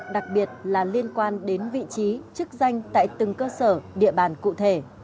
đặc biệt là liên quan đến vị trí chức danh tại từng cơ sở địa bàn cụ thể